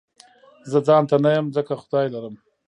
زه ځانته نه يم ځکه خدای لرم